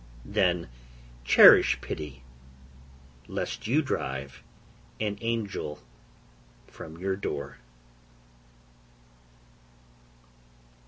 Then cherish pity, lest you drive an angel from your door.